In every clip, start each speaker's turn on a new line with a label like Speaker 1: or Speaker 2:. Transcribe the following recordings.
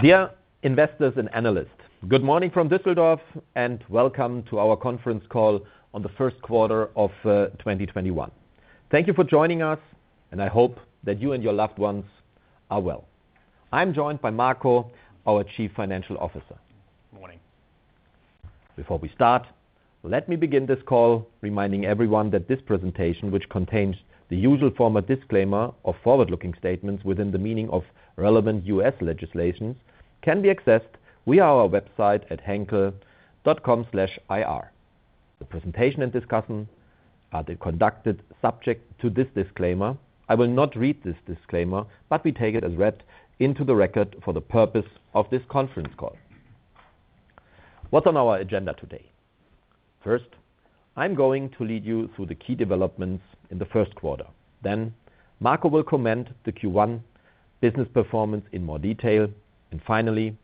Speaker 1: Dear investors and analysts, good morning from Düsseldorf and welcome to our conference call on the first quarter of 2021. Thank you for joining us, and I hope that you and your loved ones are well. I'm joined by Marco, our Chief Financial Officer.
Speaker 2: Morning.
Speaker 1: Before we start, let me begin this call reminding everyone that this presentation, which contains the usual form of disclaimer of forward-looking statements within the meaning of relevant US legislations, can be accessed via our website at henkel.com/ir. The presentation and discussion are conducted subject to this disclaimer. I will not read this disclaimer. We take it as read into the record for the purpose of this conference call. What's on our agenda today? First, I'm going to lead you through the key developments in the first quarter. Marco will comment the Q1 business performance in more detail. Finally,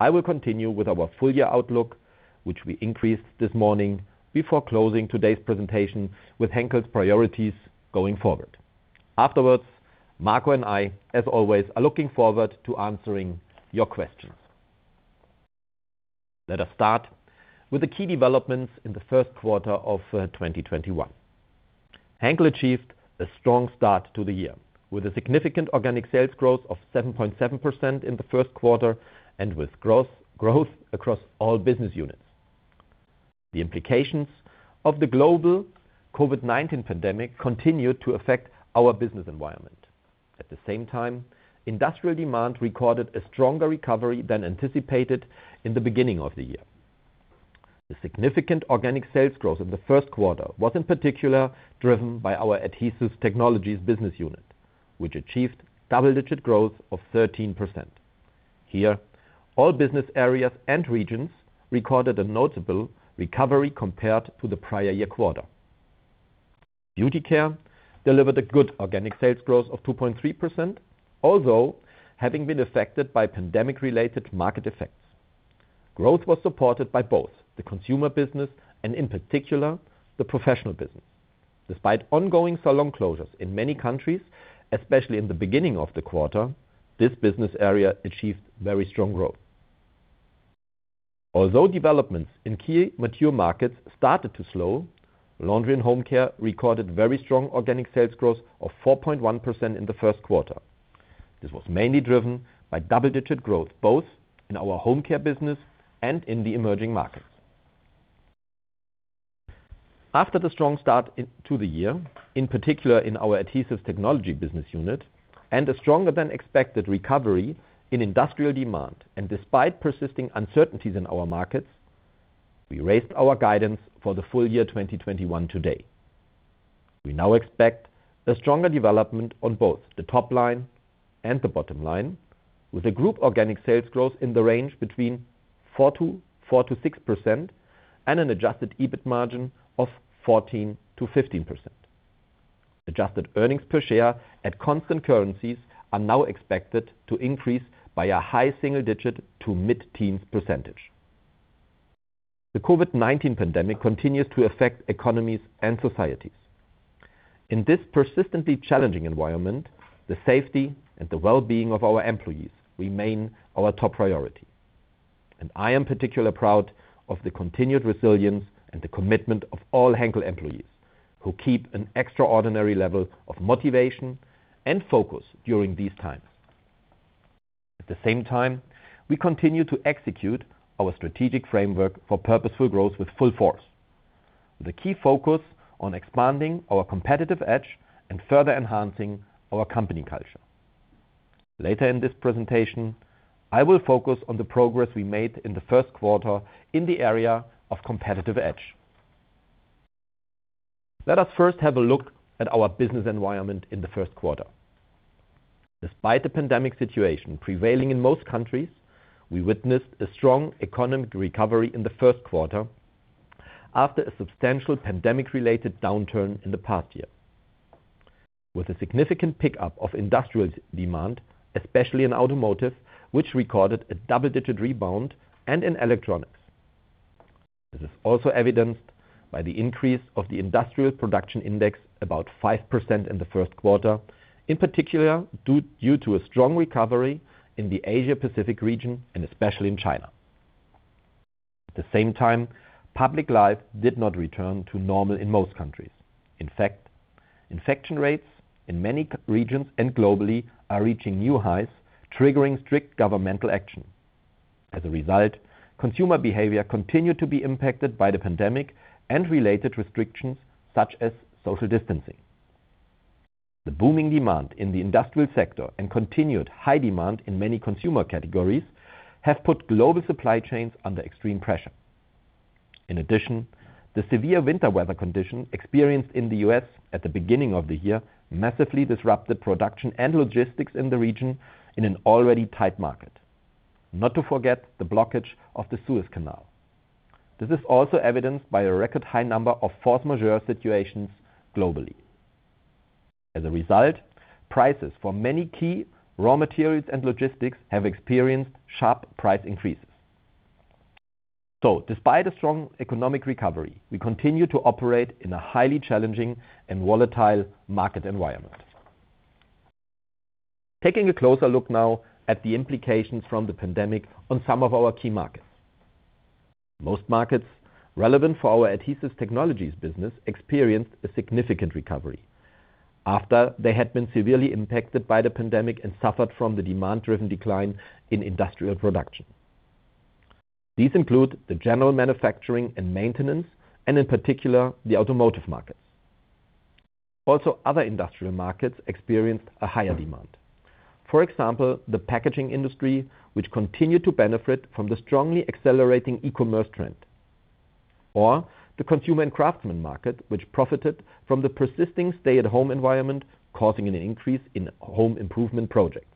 Speaker 1: I will continue with our full year outlook, which we increased this morning before closing today's presentation with Henkel's priorities going forward. Afterwards, Marco and I, as always, are looking forward to answering your questions. Let us start with the key developments in Q1 2021. Henkel achieved a strong start to the year, with a significant organic sales growth of 7.7% in Q1 and with growth across all business units. The implications of the global COVID-19 pandemic continued to affect our business environment. At the same time, industrial demand recorded a stronger recovery than anticipated in the beginning of the year. The significant organic sales growth in Q1 was in particular driven by our Adhesive Technologies business unit, which achieved double-digit growth of 13%. Here, all business areas and regions recorded a notable recovery compared to the prior year quarter. Beauty Care delivered a good organic sales growth of 2.3%, although having been affected by pandemic-related market effects. Growth was supported by both the consumer business and in particular, the professional business. Despite ongoing salon closures in many countries, especially in the beginning of the quarter, this business area achieved very strong growth. Although developments in key mature markets started to slow, Laundry & Home Care recorded very strong organic sales growth of 4.1% in the first quarter. This was mainly driven by double-digit growth, both in our home care business and in the emerging markets. After the strong start to the year, in particular in our Adhesive Technologies business unit and a stronger than expected recovery in industrial demand, and despite persisting uncertainties in our markets, we raised our guidance for the full year 2021 today. We now expect a stronger development on both the top line and the bottom line, with a group organic sales growth in the range between 4%-6% and an adjusted EBIT margin of 14%-15%. Adjusted earnings per share at constant currencies are now expected to increase by a high single-digit to mid-teens percentage. The COVID-19 pandemic continues to affect economies and societies. In this persistently challenging environment, the safety and the well-being of our employees remain our top priority, and I am particularly proud of the continued resilience and the commitment of all Henkel employees, who keep an extraordinary level of motivation and focus during these times. At the same time, we continue to execute our strategic framework for Purposeful Growth with full force, with a key focus on expanding our competitive edge and further enhancing our company culture. Later in this presentation, I will focus on the progress we made in the first quarter in the area of competitive edge. Let us first have a look at our business environment in the first quarter. Despite the pandemic situation prevailing in most countries, we witnessed a strong economic recovery in the first quarter after a substantial pandemic-related downturn in the past year. With a significant pickup of industrial demand, especially in automotive, which recorded a double-digit rebound and in electronics. This is also evidenced by the increase of the industrial production index about 5% in the first quarter, in particular, due to a strong recovery in the Asia Pacific region and especially in China. At the same time, public life did not return to normal in most countries. In fact, infection rates in many regions and globally are reaching new highs, triggering strict governmental action. As a result, consumer behavior continued to be impacted by the pandemic and related restrictions such as social distancing. The booming demand in the industrial sector and continued high demand in many consumer categories have put global supply chains under extreme pressure. In addition, the severe winter weather condition experienced in the U.S. at the beginning of the year massively disrupted production and logistics in the region in an already tight market. Not to forget the blockage of the Suez Canal. This is also evidenced by a record high number of force majeure situations globally. As a result, prices for many key raw materials and logistics have experienced sharp price increases. Despite a strong economic recovery, we continue to operate in a highly challenging and volatile market environment. Taking a closer look now at the implications from the pandemic on some of our key markets. Most markets relevant for our Adhesive Technologies business experienced a significant recovery after they had been severely impacted by the pandemic and suffered from the demand-driven decline in industrial production. These include the general manufacturing and maintenance and in particular the automotive markets. Other industrial markets experienced a higher demand. For example, the packaging industry, which continued to benefit from the strongly accelerating e-commerce trend, or the consumer and craftsman market, which profited from the persisting stay-at-home environment, causing an increase in home improvement projects.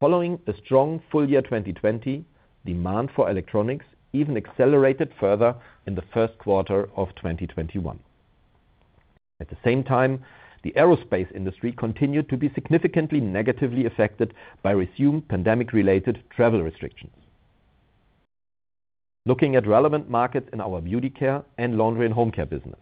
Speaker 1: Following a strong full year 2020, demand for electronics even accelerated further in the first quarter of 2021. At the same time, the aerospace industry continued to be significantly negatively affected by resumed pandemic-related travel restrictions. Looking at relevant markets in our Beauty Care and Laundry & Home Care business.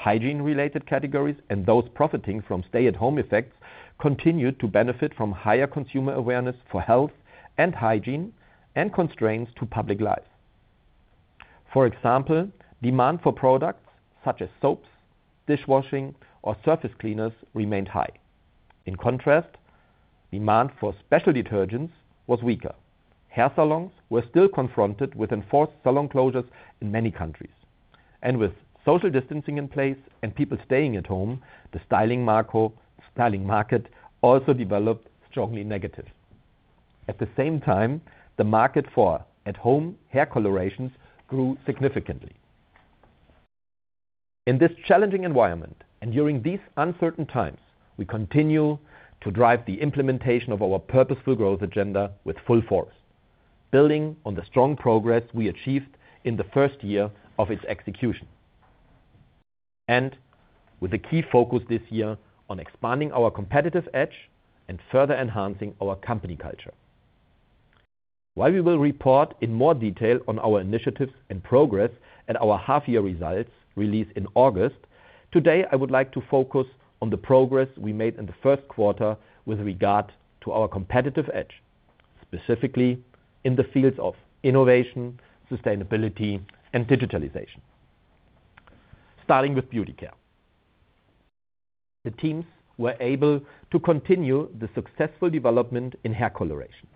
Speaker 1: Hygiene-related categories and those profiting from stay-at-home effects continued to benefit from higher consumer awareness for health and hygiene and constraints to public life. For example, demand for products such as soaps, dishwashing, or surface cleaners remained high. In contrast, demand for special detergents was weaker. Hair salons were still confronted with enforced salon closures in many countries. With social distancing in place and people staying at home, the styling market also developed strongly negative. At the same time, the market for at-home hair colorations grew significantly. In this challenging environment and during these uncertain times, we continue to drive the implementation of our Purposeful Growth agenda with full force, building on the strong progress we achieved in the first year of its execution. With a key focus this year on expanding our competitive edge and further enhancing our company culture. While we will report in more detail on our initiatives and progress at our half-year results released in August, today, I would like to focus on the progress we made in the first quarter with regard to our competitive edge, specifically in the fields of innovation, sustainability, and digitalization. Starting with Beauty Care. The teams were able to continue the successful development in hair colorations,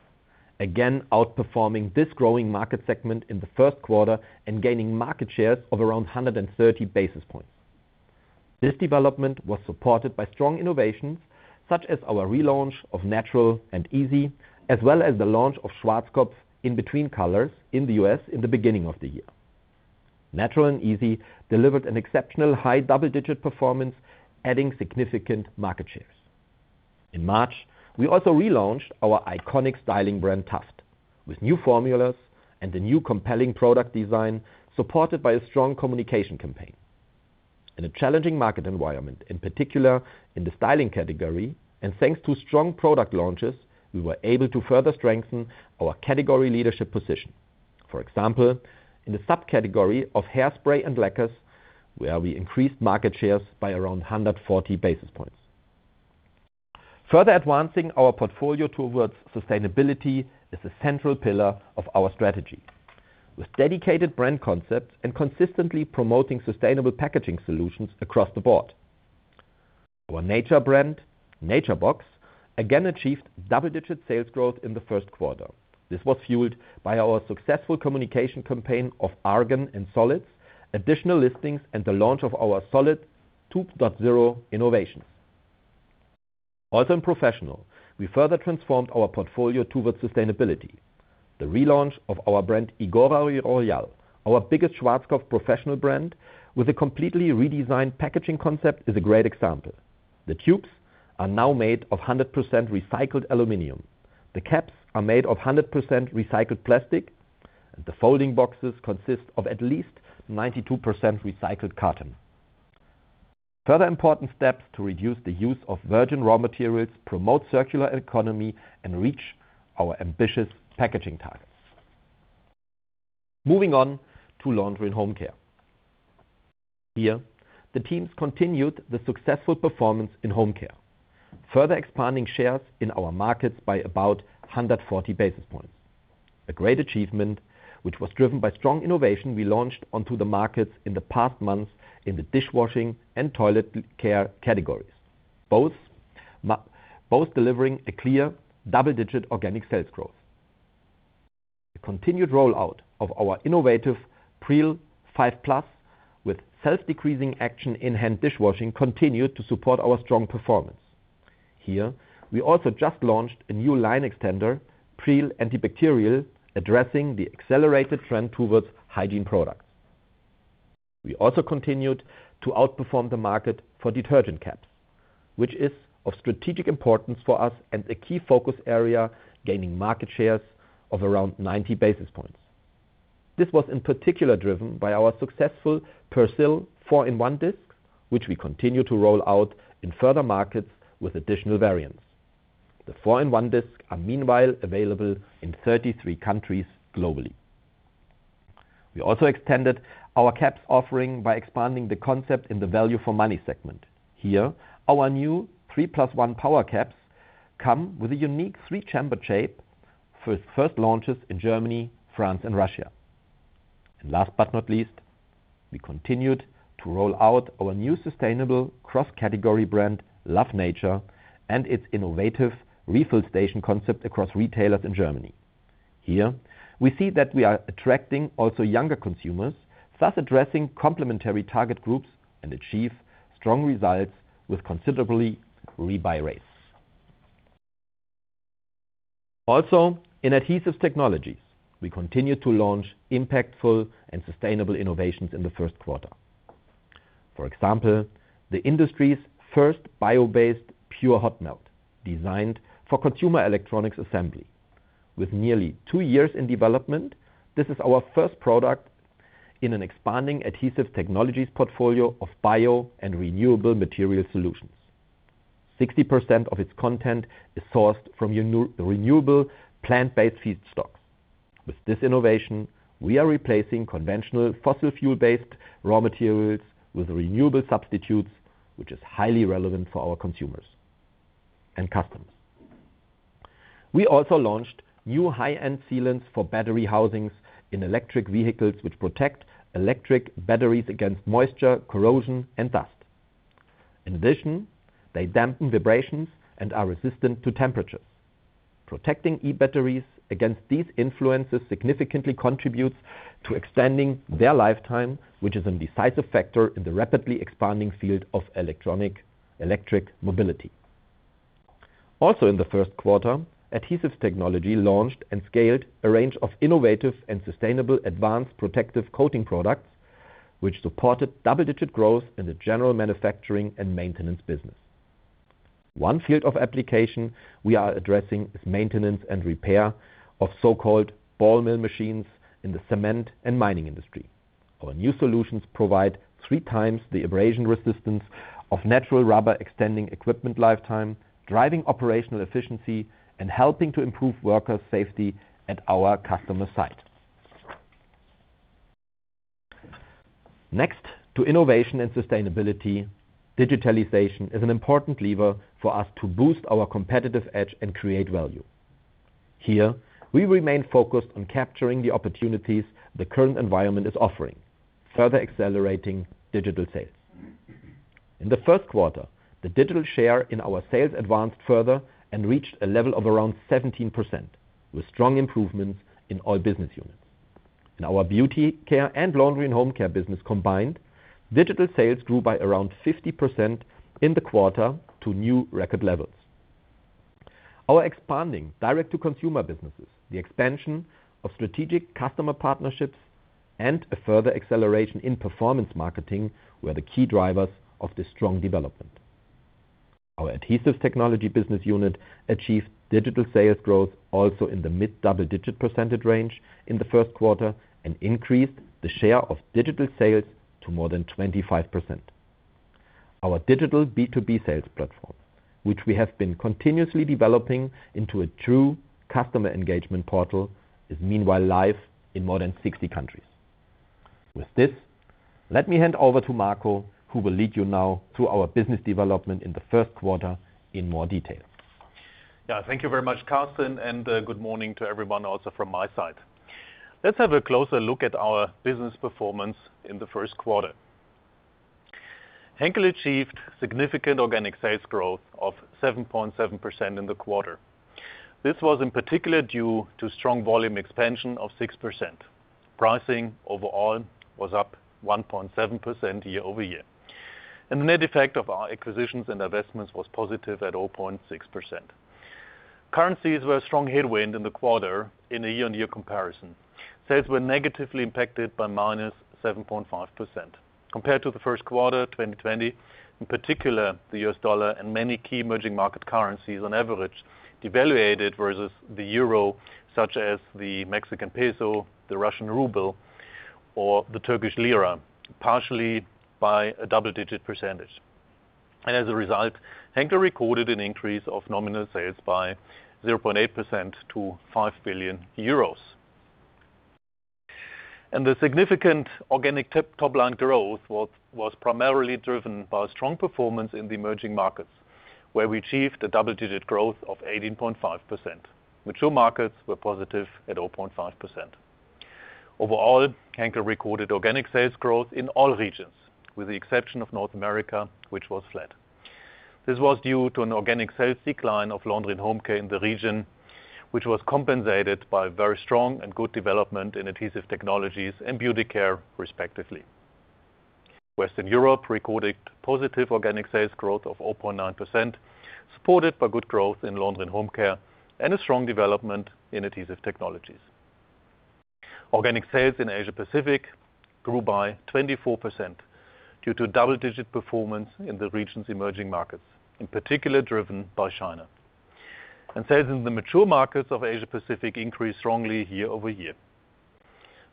Speaker 1: again outperforming this growing market segment in the first quarter and gaining market shares of around 130 basis points. This development was supported by strong innovations such as our relaunch of Natural & Easy, as well as the launch of Schwarzkopf In Between Colors in the U.S. in the beginning of the year. Natural & Easy delivered an exceptional high double-digit performance, adding significant market shares. In March, we also relaunched our iconic styling brand, Taft, with new formulas and a new compelling product design supported by a strong communication campaign. In a challenging market environment, in particular in the styling category and thanks to strong product launches, we were able to further strengthen our category leadership position. For example, in the subcategory of hairspray and lacquers, where we increased market shares by around 140 basis points. Further advancing our portfolio towards sustainability is a central pillar of our strategy. With dedicated brand concepts and consistently promoting sustainable packaging solutions across the board. Our nature brand, Nature Box, again achieved double-digit sales growth in the first quarter. This was fueled by our successful communication campaign of Argan and Solids, additional listings, and the launch of our Solid 2.0 innovations. Also in professional, we further transformed our portfolio towards sustainability. The relaunch of our brand, Igora Royal, our biggest Schwarzkopf professional brand, with a completely redesigned packaging concept, is a great example. The tubes are now made of 100% recycled aluminum. The caps are made of 100% recycled plastic, and the folding boxes consist of at least 92% recycled carton. Further important steps to reduce the use of virgin raw materials, promote circular economy, and reach our ambitious packaging targets. Moving on to Laundry & Home Care. Here, the teams continued the successful performance in home care, further expanding shares in our markets by about 140 basis points. A great achievement, which was driven by strong innovation we launched onto the markets in the past months in the dishwashing and toilet care categories, both delivering a clear double-digit organic sales growth. The continued rollout of our innovative Pril 5+ with self-degreasing action in hand dishwashing continued to support our strong performance. Here, we also just launched a new line extender, Pril Antibacterial, addressing the accelerated trend towards hygiene products. We also continued to outperform the market for detergent caps, which is of strategic importance for us and a key focus area, gaining market shares of around 90 basis points. This was in particular driven by our successful Persil 4in1 Discs, which we continue to roll out in further markets with additional variants. The 4in1 Discs are meanwhile available in 33 countries globally. We also extended our caps offering by expanding the concept in the value for money segment. Here, our new 3+1 Power Caps come with a unique three-chambered shape with first launches in Germany, France and Russia. Last but not least, we continued to roll out our new sustainable cross-category brand, Love Nature, and its innovative refill station concept across retailers in Germany. Here, we see that we are attracting also younger consumers, thus addressing complementary target groups and achieve strong results with considerably rebuy rates. In Adhesive Technologies, we continued to launch impactful and sustainable innovations in the first quarter. For example, the industry's first bio-based PUR hot melt designed for consumer electronics assembly. With nearly two years in development, this is our first product in an expanding Adhesive Technologies portfolio of bio and renewable material solutions. 60% of its content is sourced from renewable plant-based feedstocks. With this innovation, we are replacing conventional fossil fuel-based raw materials with renewable substitutes, which is highly relevant for our consumers and customers. We also launched new high-end sealants for battery housings in electric vehicles, which protect electric batteries against moisture, corrosion, and dust. In addition, they dampen vibrations and are resistant to temperatures. Protecting e-batteries against these influences significantly contributes to extending their lifetime, which is a decisive factor in the rapidly expanding field of electric mobility. Also in the first quarter, Adhesive Technologies launched and scaled a range of innovative and sustainable advanced protective coating products, which supported double-digit growth in the general manufacturing and maintenance business. One field of application we are addressing is maintenance and repair of so-called ball mill machines in the cement and mining industry. Our new solutions provide three times the abrasion resistance of natural rubber, extending equipment lifetime, driving operational efficiency, and helping to improve worker safety at our customer site. Next to innovation and sustainability, digitalization is an important lever for us to boost our competitive edge and create value. Here, we remain focused on capturing the opportunities the current environment is offering, further accelerating digital sales. In the first quarter, the digital share in our sales advanced further and reached a level of around 17%, with strong improvements in all business units. In our Beauty Care and Laundry & Home Care business combined, digital sales grew by around 50% in the quarter to new record levels. Our expanding direct-to-consumer businesses, the expansion of strategic customer partnerships, and a further acceleration in performance marketing were the key drivers of this strong development. Our Adhesive Technologies business unit achieved digital sales growth also in the mid-double digit percentage range in the first quarter and increased the share of digital sales to more than 25%. Our digital B2B sales platform, which we have been continuously developing into a true customer engagement portal, is meanwhile live in more than 60 countries. With this, let me hand over to Marco, who will lead you now through our business development in the first quarter in more detail.
Speaker 2: Thank you very much, Carsten, and good morning to everyone also from my side. Let's have a closer look at our business performance in the first quarter. Henkel achieved significant organic sales growth of 7.7% in the quarter. This was in particular due to strong volume expansion of 6%. Pricing overall was up 1.7% year-over-year. The net effect of our acquisitions and investments was positive at 0.6%. Currencies were a strong headwind in the quarter in a year-on-year comparison. Sales were negatively impacted by -7.5%. Compared to the first quarter 2020, in particular, the US dollar and many key emerging market currencies on average devaluated versus the Euro, such as the Mexican peso, the Russian ruble, or the Turkish lira, partially by a double-digit percentage. As a result, Henkel recorded an increase of nominal sales by 0.8% to EUR 5 billion. The significant organic top-line growth was primarily driven by strong performance in the emerging markets, where we achieved a double-digit growth of 18.5%. Mature markets were positive at 0.5%. Overall, Henkel recorded organic sales growth in all regions, with the exception of North America, which was flat. This was due to an organic sales decline of Laundry & Home Care in the region, which was compensated by very strong and good development in Adhesive Technologies and Beauty Care, respectively. Western Europe recorded positive organic sales growth of 0.9%, supported by good growth in Laundry & Home Care and a strong development in Adhesive Technologies. Organic sales in Asia-Pacific grew by 24% due to double-digit performance in the region's emerging markets, in particular driven by China. Sales in the mature markets of Asia Pacific increased strongly year-over-year.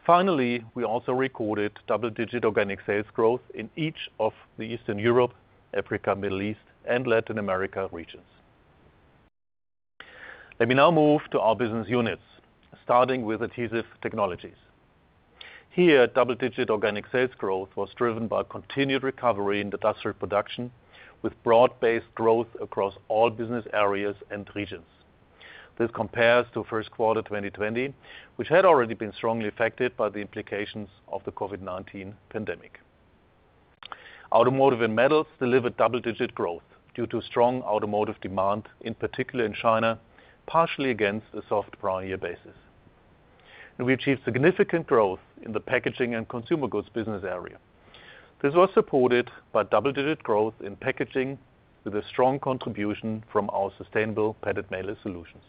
Speaker 2: Finally, we also recorded double-digit organic sales growth in each of the Eastern Europe, Africa, Middle East, and Latin America regions. Let me now move to our business units, starting with Adhesive Technologies. Here, double-digit organic sales growth was driven by continued recovery in the industrial production, with broad-based growth across all business areas and regions. This compares to first quarter 2020, which had already been strongly affected by the implications of the COVID-19 pandemic. Automotive and metals delivered double-digit growth due to strong automotive demand, in particular in China, partially against a soft prior year basis. We achieved significant growth in the packaging and consumer goods business area. This was supported by double-digit growth in packaging with a strong contribution from our sustainable padded mailer solutions.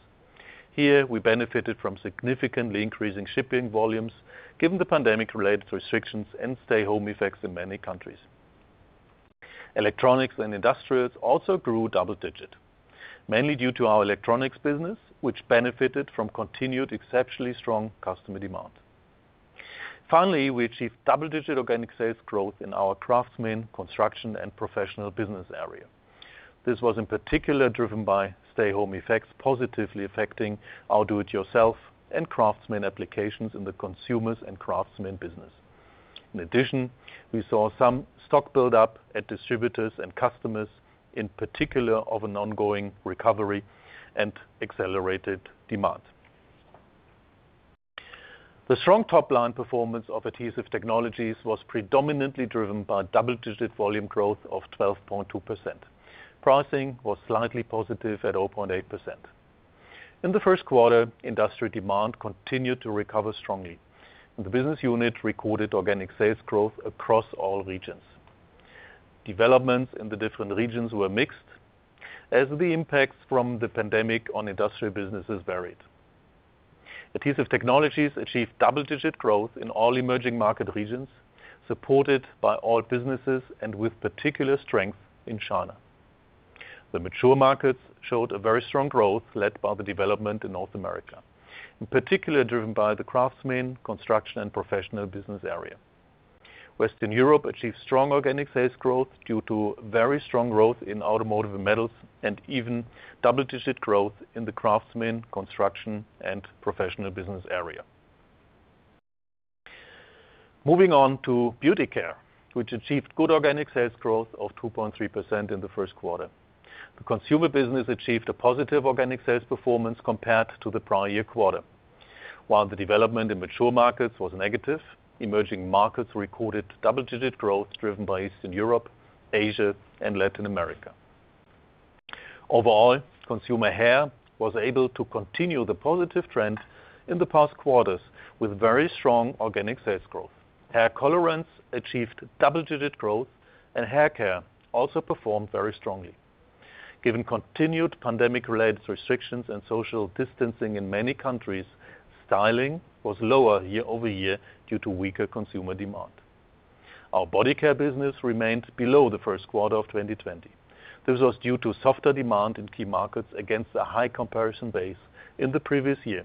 Speaker 2: Here, we benefited from significantly increasing shipping volumes given the pandemic-related restrictions and stay-home effects in many countries. Electronics and industrials also grew double-digit, mainly due to our electronics business, which benefited from continued exceptionally strong customer demand. Finally, we achieved double-digit organic sales growth in our craftsman construction and professional business area. This was in particular driven by stay-home effects positively affecting our do-it-yourself and craftsman applications in the consumers and craftsmen business. In addition, we saw some stock build-up at distributors and customers, in particular of an ongoing recovery and accelerated demand. The strong top-line performance of Adhesive Technologies was predominantly driven by double-digit volume growth of 12.2%. Pricing was slightly positive at 0.8%. In the first quarter, industrial demand continued to recover strongly, and the business unit recorded organic sales growth across all regions. Developments in the different regions were mixed as the impacts from the pandemic on industrial businesses varied. Adhesive Technologies achieved double-digit growth in all emerging market regions, supported by all businesses and with particular strength in China. The mature markets showed a very strong growth led by the development in North America, in particular driven by the craftsman construction and professional business area. Western Europe achieved strong organic sales growth due to very strong growth in automotive and metals and even double-digit growth in the craftsman construction and professional business area. Moving on to Beauty Care, which achieved good organic sales growth of 2.3% in the first quarter. The consumer business achieved a positive organic sales performance compared to the prior year quarter. While the development in mature markets was negative, emerging markets recorded double-digit growth driven by Eastern Europe, Asia, and Latin America. Overall, consumer hair was able to continue the positive trend in the past quarters with very strong organic sales growth. Hair colorants achieved double-digit growth, and hair care also performed very strongly. Given continued pandemic-related restrictions and social distancing in many countries, styling was lower year-over-year due to weaker consumer demand. Our body care business remained below the first quarter of 2020. This was due to softer demand in key markets against a high comparison base in the previous year,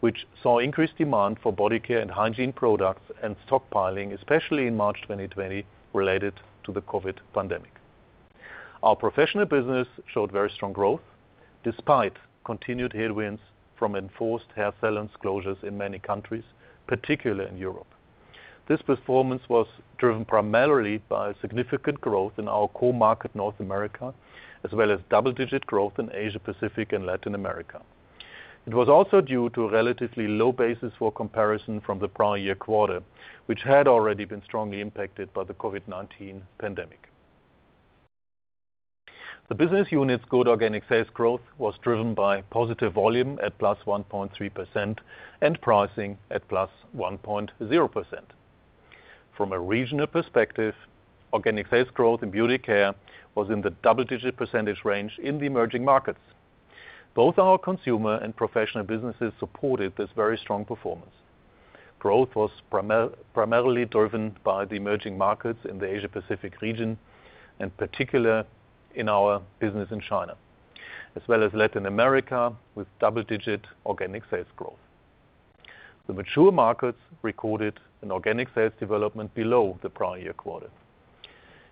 Speaker 2: which saw increased demand for body care and hygiene products and stockpiling, especially in March 2020, related to the COVID-19 pandemic. Our professional business showed very strong growth despite continued headwinds from enforced hair salons closures in many countries, particularly in Europe. This performance was driven primarily by significant growth in our core market, North America, as well as double-digit growth in Asia Pacific and Latin America. It was also due to a relatively low basis for comparison from the prior year quarter, which had already been strongly impacted by the COVID-19 pandemic. The business unit's good organic sales growth was driven by positive volume at +1.3% and pricing at +1.0%. From a regional perspective, organic sales growth in Beauty Care was in the double-digit percentage range in the emerging markets. Both our consumer and professional businesses supported this very strong performance. Growth was primarily driven by the emerging markets in the Asia Pacific region, and particularly in our business in China, as well as Latin America, with double-digit organic sales growth. The mature markets recorded an organic sales development below the prior year quarter,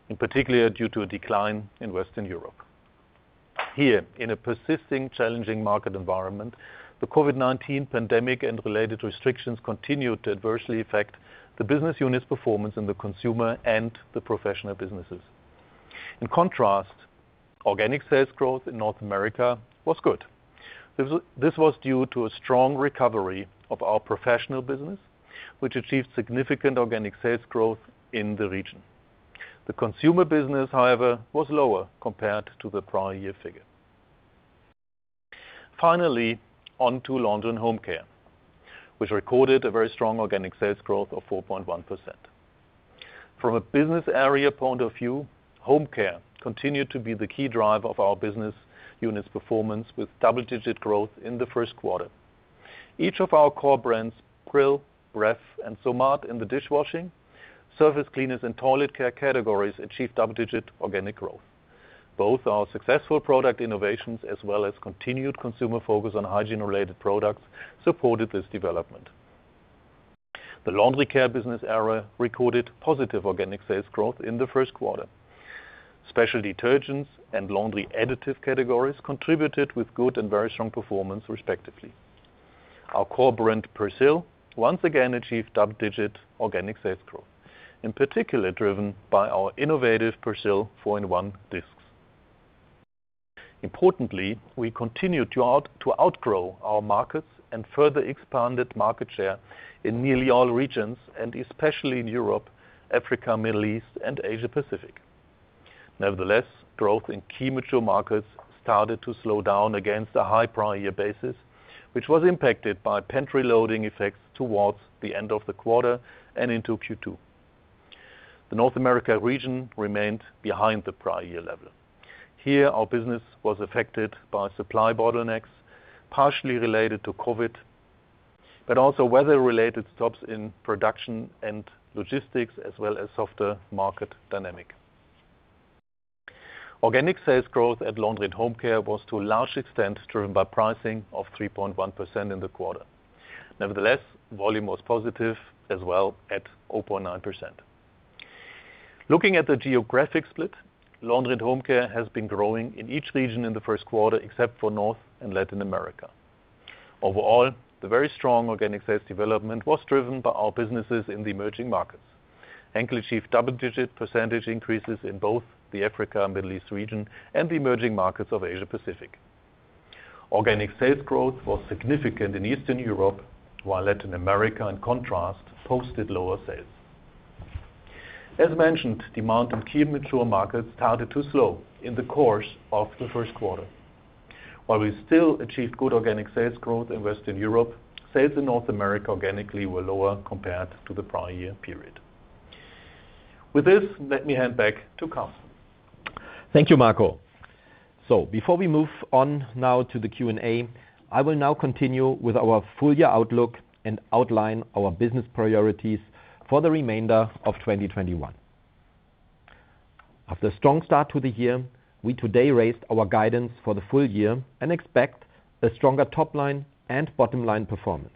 Speaker 2: in particular due to a decline in Western Europe. Here, in a persisting challenging market environment, the COVID-19 pandemic and related restrictions continued to adversely affect the business unit's performance in the consumer and the professional businesses. In contrast, organic sales growth in North America was good. This was due to a strong recovery of our professional business, which achieved significant organic sales growth in the region. The consumer business, however, was lower compared to the prior year figure. Finally, on to Laundry & Home Care, which recorded a very strong organic sales growth of 4.1%. From a business area point of view, home care continued to be the key driver of our business unit's performance, with double-digit growth in the first quarter. Each of our core brands, Pril, Bref, and Somat in the dishwashing, surface cleaners, and toilet care categories, achieved double-digit organic growth. Both our successful product innovations, as well as continued consumer focus on hygiene-related products, supported this development. The laundry care business area recorded positive organic sales growth in the first quarter. Special detergents and laundry additive categories contributed with good and very strong performance respectively. Our core brand, Persil, once again achieved double-digit organic sales growth, in particular driven by our innovative Persil 4in1 Discs. Importantly, we continue to outgrow our markets and further expanded market share in nearly all regions, and especially in Europe, Africa, Middle East, and Asia Pacific. Nevertheless, growth in key mature markets started to slow down against a high prior year basis, which was impacted by pantry loading effects towards the end of the quarter and into Q2. The North America region remained behind the prior year level. Here, our business was affected by supply bottlenecks, partially related to COVID-19, but also weather-related stops in production and logistics, as well as softer market dynamic. Organic sales growth at Laundry & Home Care was to a large extent driven by pricing of 3.1% in the quarter. Nevertheless, volume was positive as well at 0.9%. Looking at the geographic split, Laundry & Home Care has been growing in each region in the first quarter, except for North and Latin America. Overall, the very strong organic sales development was driven by our businesses in the emerging markets. Henkel achieved double-digit percentage increases in both the Africa and Middle East region and the emerging markets of Asia Pacific. Organic sales growth was significant in Eastern Europe, while Latin America, in contrast, posted lower sales. As mentioned, demand in key mature markets started to slow in the course of the first quarter. While we still achieved good organic sales growth in Western Europe, sales in North America organically were lower compared to the prior year period. With this, let me hand back to Carsten.
Speaker 1: Thank you, Marco. Before we move on now to the Q&A, I will now continue with our full year outlook and outline our business priorities for the remainder of 2021. After a strong start to the year, we today raised our guidance for the full year and expect a stronger top line and bottom line performance.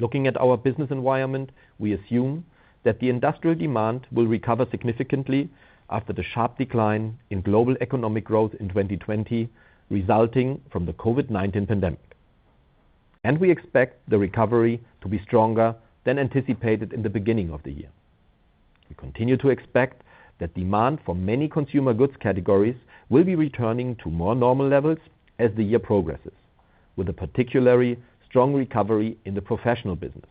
Speaker 1: Looking at our business environment, we assume that the industrial demand will recover significantly after the sharp decline in global economic growth in 2020, resulting from the COVID-19 pandemic. We expect the recovery to be stronger than anticipated in the beginning of the year. We continue to expect that demand for many consumer goods categories will be returning to more normal levels as the year progresses, with a particularly strong recovery in the professional business.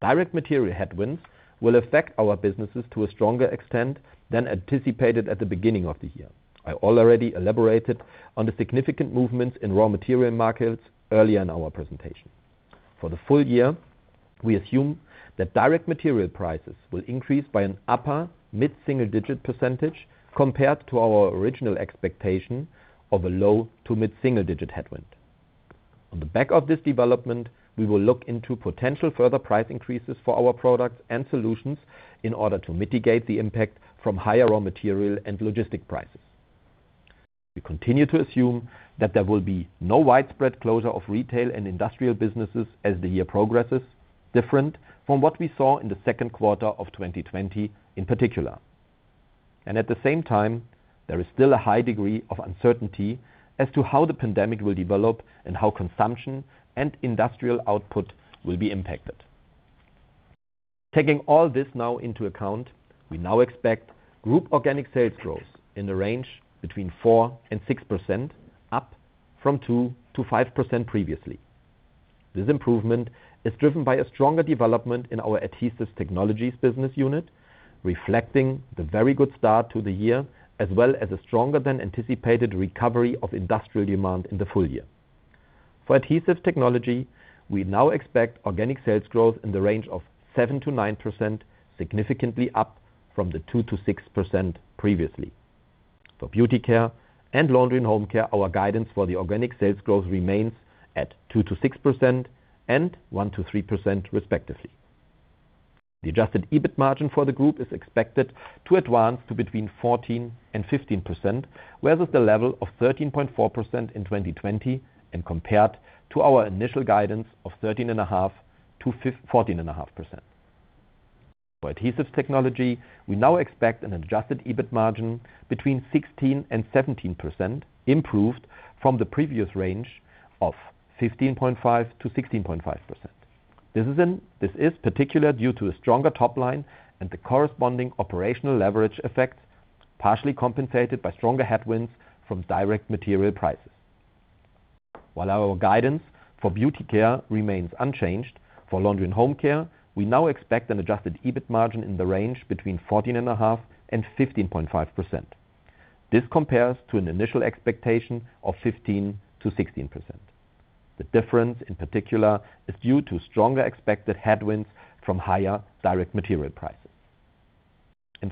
Speaker 1: Direct material headwinds will affect our businesses to a stronger extent than anticipated at the beginning of the year. I already elaborated on the significant movements in raw material markets earlier in our presentation. For the full year, we assume that direct material prices will increase by an upper mid-single-digit percentage compared to our original expectation of a low to mid-single-digit headwind. On the back of this development, we will look into potential further price increases for our products and solutions in order to mitigate the impact from higher raw material and logistic prices. We continue to assume that there will be no widespread closure of retail and industrial businesses as the year progresses, different from what we saw in the second quarter of 2020 in particular. At the same time, there is still a high degree of uncertainty as to how the pandemic will develop and how consumption and industrial output will be impacted. Taking all this now into account, we now expect group organic sales growth in the range between 4% and 6%, up from 2%-5% previously. This improvement is driven by a stronger development in our Adhesive Technologies business unit, reflecting the very good start to the year, as well as a stronger than anticipated recovery of industrial demand in the full year. For Adhesive Technologies, we now expect organic sales growth in the range of 7%-9%, significantly up from the 2%-6% previously. For Beauty Care and Laundry & Home Care, our guidance for the organic sales growth remains at 2%-6% and 1%-3%, respectively. The adjusted EBIT margin for the group is expected to advance to between 14% and 15%, whereas the level of 13.4% in 2020 and compared to our initial guidance of 13.5%-14.5%. For Adhesive Technologies, we now expect an adjusted EBIT margin between 16% and 17%, improved from the previous range of 15.5%-16.5%. This is particular due to a stronger top line and the corresponding operational leverage effects, partially compensated by stronger headwinds from direct material prices. While our guidance for Beauty Care remains unchanged, for Laundry and Home Care, we now expect an adjusted EBIT margin in the range between 14.5% and 15.5%. This compares to an initial expectation of 15%-16%. The difference, in particular, is due to stronger expected headwinds from higher direct material prices.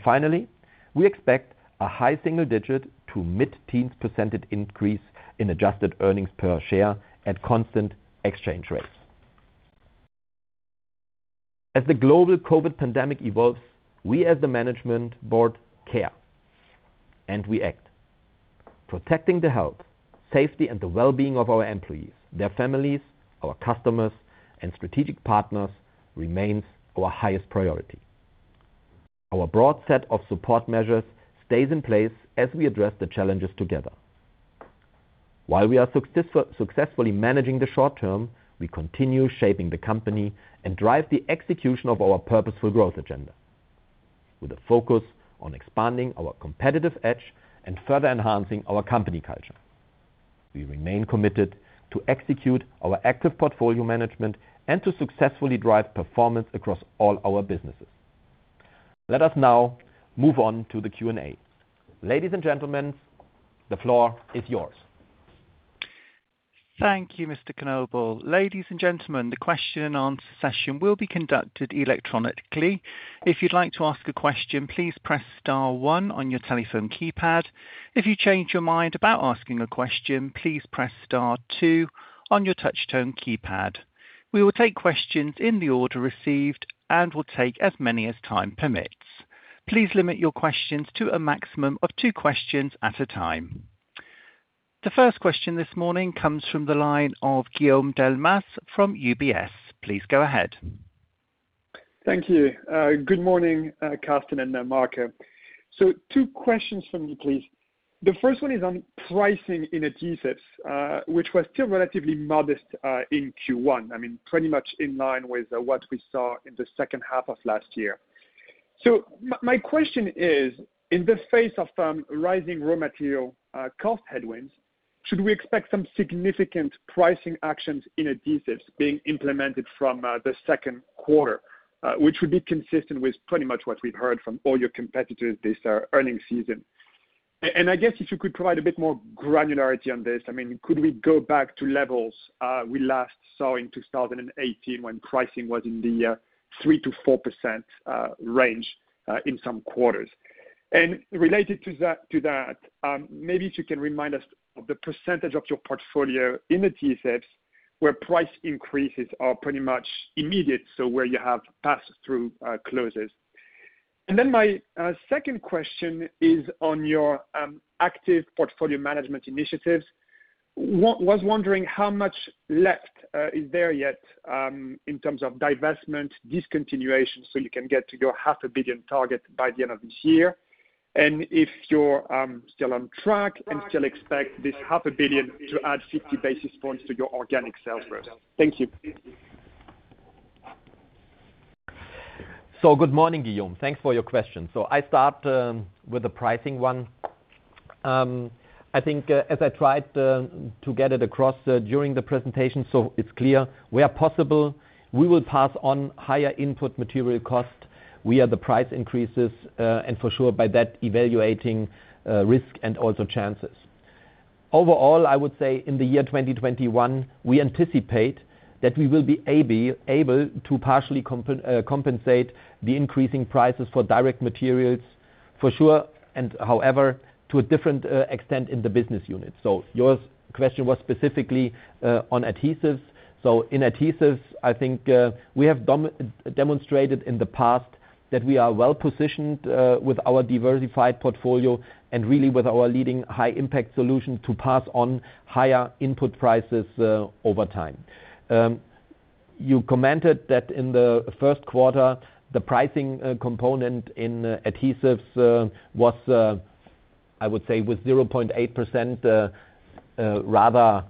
Speaker 1: Finally, we expect a high single-digit to mid-teens percentage increase in adjusted earnings per share at constant exchange rates. As the global COVID-19 pandemic evolves, we as the management board care, and we act. Protecting the health, safety, and the wellbeing of our employees, their families, our customers, and strategic partners remains our highest priority. Our broad set of support measures stays in place as we address the challenges together. While we are successfully managing the short term, we continue shaping the company and drive the execution of our Purposeful Growth agenda with a focus on expanding our competitive edge and further enhancing our company culture. We remain committed to execute our active portfolio management and to successfully drive performance across all our businesses. Let us now move on to the Q&A. Ladies and gentlemen, the floor is yours.
Speaker 3: Thank you, Mr. Knobel. Ladies and gentlemen, the question and answer session will be conducted electronically. If you'd like to ask a question, please press star one on your telephone keypad. If you change your mind about asking a question, please press star two on your touchtone keypad. We will take questions in the order received and will take as many as time permits. Please limit your questions to a maximum of two questions at a time. The first question this morning comes from the line of Guillaume Delmas from UBS. Please go ahead.
Speaker 4: Thank you. Good morning, Carsten and Marco. Two questions from me, please. The first one is on pricing in adhesives, which was still relatively modest in Q1. Pretty much in line with what we saw in the second half of last year. My question is, in the face of rising raw material cost headwinds, should we expect some significant pricing actions in adhesives being implemented from the second quarter? Which would be consistent with pretty much what we've heard from all your competitors this earning season. I guess if you could provide a bit more granularity on this. Could we go back to levels we last saw in 2018 when pricing was in the 3%-4% range in some quarters? Related to that, maybe if you can remind us of the percentage of your portfolio in adhesives where price increases are pretty much immediate, so where you have pass-through clauses. Then my second question is on your active portfolio management initiatives. Was wondering how much left is there yet in terms of divestment discontinuation, so you can get to your 0.5 billion target by the end of this year? If you're still on track and still expect this 0.5 Billion to add 50 basis points to your organic sales growth. Thank you.
Speaker 1: Good morning, Guillaume. Thanks for your question. I start with the pricing one. I think as I tried to get it across during the presentation, it's clear, where possible, we will pass on higher input material costs via the price increases and for sure by that evaluating risk and also chances. Overall, I would say in the year 2021, we anticipate that we will be able to partially compensate the increasing prices for direct materials for sure and however, to a different extent in the business unit. Your question was specifically on Adhesives. In Adhesives, I think we have demonstrated in the past that we are well-positioned with our diversified portfolio and really with our leading high-impact solution to pass on higher input prices over time. You commented that in the first quarter, the pricing component in adhesives was, I would say, with 0.8% rather, I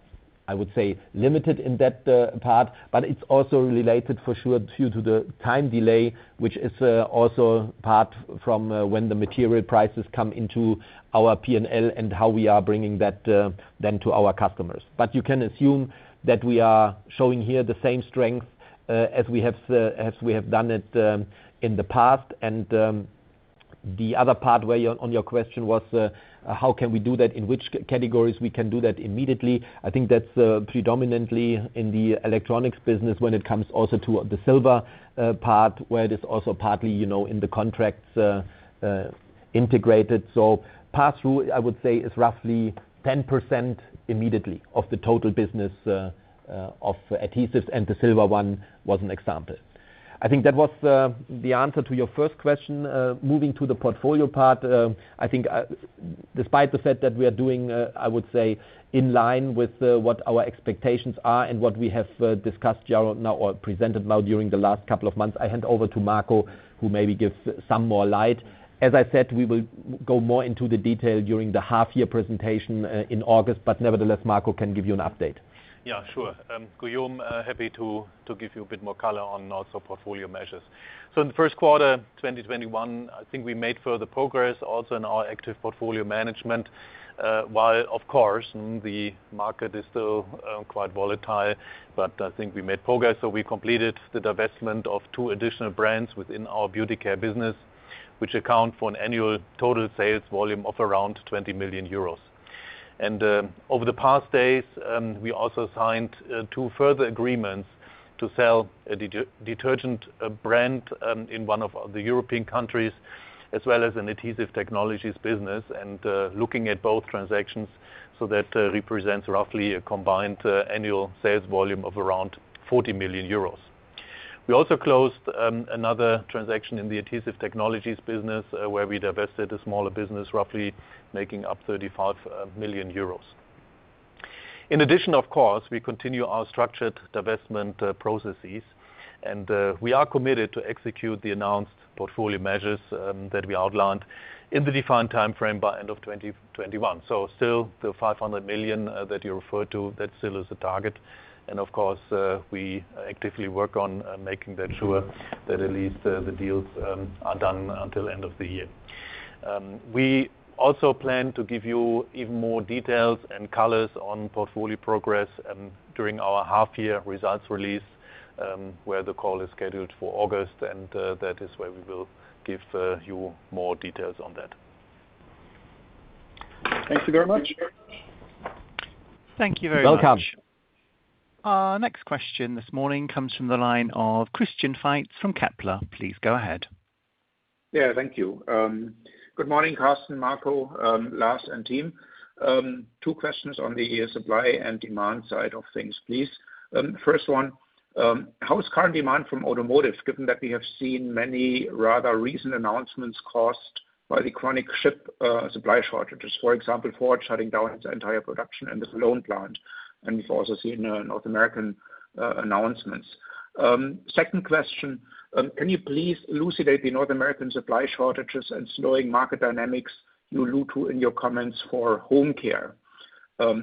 Speaker 1: would say, limited in that part. It's also related for sure due to the time delay, which is also part from when the material prices come into our P&L and how we are bringing that then to our customers. You can assume that we are showing here the same strength as we have done it in the past. The other part on your question was how can we do that? In which categories we can do that immediately? I think that's predominantly in the electronics business when it comes also to the silver part, where it is also partly in the contracts integrated. Pass-through, I would say, is roughly 10% immediately of the total business of adhesives and the silver one was an example. I think that was the answer to your first question. Moving to the portfolio part, I think despite the fact that we are doing, I would say, in line with what our expectations are and what we have discussed or presented now during the last couple of months, I hand over to Marco who maybe gives some more light. As I said, we will go more into the detail during the half-year presentation in August, but nevertheless, Marco can give you an update.
Speaker 2: Yeah, sure. Guillaume, happy to give you a bit more color on also portfolio measures. In the first quarter 2021, I think we made further progress also in our active portfolio management while, of course, the market is still quite volatile. I think we made progress. We completed the divestment of two additional brands within our Beauty Care business, which account for an annual total sales volume of around 20 million euros. Over the past days, we also signed two further agreements to sell a detergent brand in one of the European countries, as well as an Adhesive Technologies business, looking at both transactions, that represents roughly a combined annual sales volume of around 40 million euros. We also closed another transaction in the Adhesive Technologies business, where we divested a smaller business roughly making up 35 million euros. In addition, of course, we continue our structured divestment processes and we are committed to execute the announced portfolio measures that we outlined in the defined timeframe by end of 2021. Still the 500 million that you referred to, that still is a target. Of course, we actively work on making that sure that at least the deals are done until end of the year. We also plan to give you even more details and colors on portfolio progress during our half-year results release, where the call is scheduled for August and that is where we will give you more details on that.
Speaker 4: Thank you very much.
Speaker 3: Thank you very much.
Speaker 1: You're welcome.
Speaker 3: Our next question this morning comes from the line of Christian Faitz from Kepler. Please go ahead.
Speaker 5: Yeah, thank you. Good morning, Carsten, Marco, Lars, and team. Two questions on the supply and demand side of things, please. First one, how is current demand from automotive given that we have seen many rather recent announcements caused by the chronic chip supply shortages, for example, Ford shutting down its entire production in its Cologne plant. We've also seen North American announcements. Second question, can you please elucidate the North American supply shortages and slowing market dynamics you allude to in your comments for home care?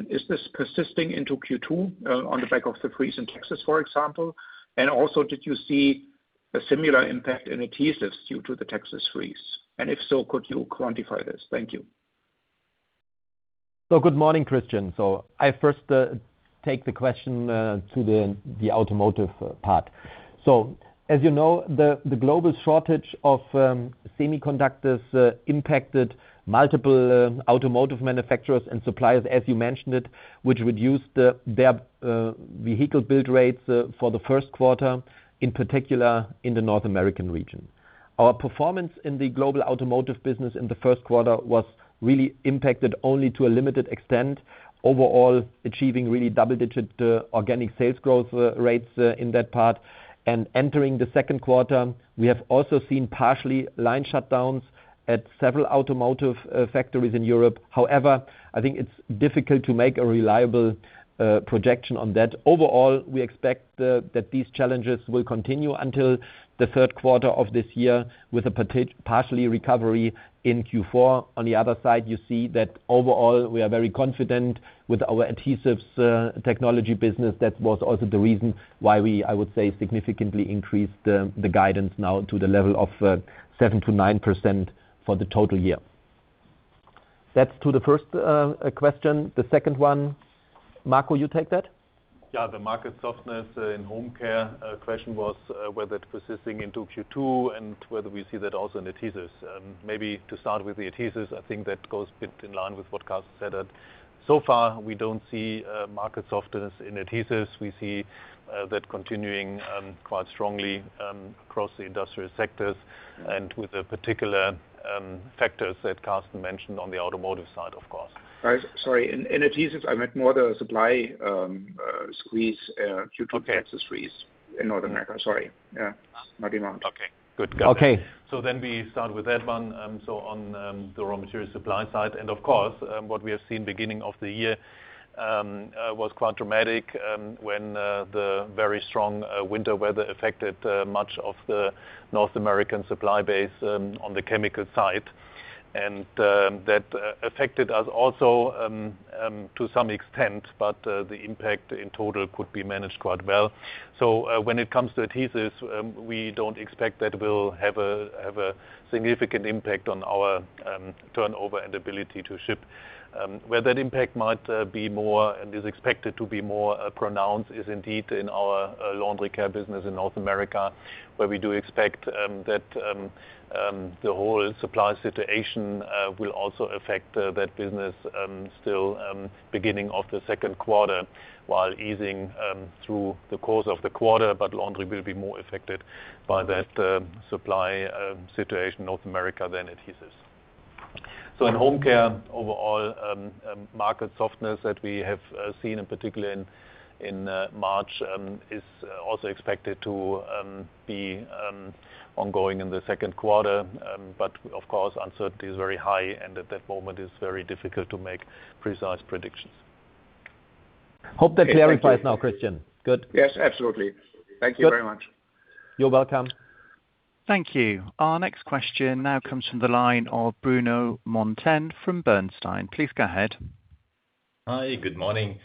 Speaker 5: Is this persisting into Q2 on the back of the freeze in Texas, for example? Also, did you see a similar impact in adhesives due to the Texas freeze? If so, could you quantify this? Thank you.
Speaker 1: Good morning, Christian. I first take the question to the automotive part. As you know, the global shortage of semiconductors impacted multiple automotive manufacturers and suppliers, as you mentioned it, which reduced their vehicle build rates for the first quarter, in particular in the North American region. Our performance in the global automotive business in the first quarter was really impacted only to a limited extent, overall achieving really double-digit organic sales growth rates in that part. Entering the second quarter, we have also seen partially line shutdowns at several automotive factories in Europe. However, I think it's difficult to make a reliable projection on that. Overall, we expect that these challenges will continue until the third quarter of this year with a partial recovery in Q4. On the other side, you see that overall, we are very confident with our Adhesive Technologies business. That was also the reason why we, I would say, significantly increased the guidance now to the level of 7%-9% for the total year. That's to the first question. The second one, Marco, you take that?
Speaker 2: Yeah, the market softness in home care question was whether it's persisting into Q2 and whether we see that also in adhesives. Maybe to start with the adhesives, I think that goes a bit in line with what Carsten said. So far, we don't see market softness in adhesives. We see that continuing quite strongly across the industrial sectors and with the particular factors that Carsten mentioned on the automotive side, of course.
Speaker 5: Sorry, in adhesives, I meant more the supply squeeze due to Texas freeze in North America. Sorry. Yeah. Not demand.
Speaker 2: Okay, good.
Speaker 1: Okay.
Speaker 2: We start with that one. On the raw material supply side, and of course, what we have seen beginning of the year was quite dramatic when the very strong winter weather affected much of the North American supply base on the chemical side. That affected us also to some extent, but the impact in total could be managed quite well. When it comes to adhesives, we don't expect that it will have a significant impact on our turnover and ability to ship. Where that impact might be more and is expected to be more pronounced is indeed in our laundry care business in North America, where we do expect that the whole supply situation will also affect that business still beginning of the second quarter while easing through the course of the quarter. Laundry will be more affected by that supply situation North America than Adhesives. In Home Care, overall market softness that we have seen in particular in March is also expected to be ongoing in the second quarter. Of course, uncertainty is very high and at that moment it's very difficult to make precise predictions.
Speaker 1: Hope that clarifies now, Christian. Good.
Speaker 5: Yes, absolutely. Thank you very much.
Speaker 1: You're welcome.
Speaker 3: Thank you. Our next question now comes from the line of Bruno Monteyne from Bernstein. Please go ahead.
Speaker 6: Hi, good morning.